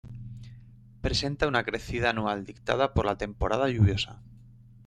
Presenta una crecida anual dictada por la temporada lluviosa.